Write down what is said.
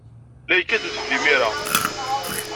La yekkat udfel imir-a.